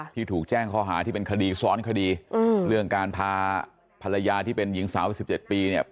ที่ถูกแจ้งข้อหาที่เป็นคดีซ้อนคดีเรื่องการพาภรรยาที่เป็นหญิงสาว๑๗ปีเนี่ย